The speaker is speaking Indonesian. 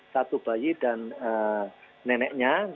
satu bayi dan neneknya